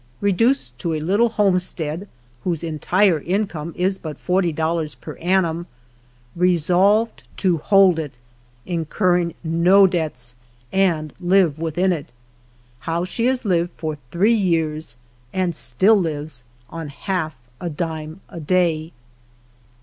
I\EDUCED TO A LITTLE HOMESTEAD WHOSE EHTIRE INCOME IS BUT $40.00 PEt\ ANNUM. ReSOLVKD lO HOI.n it. INCURRIN(i NO Dkbts AM> I.IVK WITHIN IT. HOW SHB: HAS LlVF.D FOR ThRKK YKARS. and S'JTI.L I.IVES ON HALF A HIMK A DAY.